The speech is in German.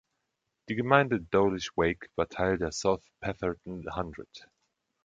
Die Gemeinde Dowlish Wake war Teil der South Petherton Hundred.